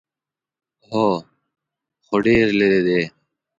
_هو، خو ډېر ليرې دی.